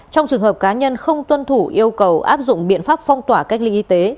trong trường hợp cá nhân không tuân thủ yêu cầu áp dụng biện pháp phong tỏa cách ly y tế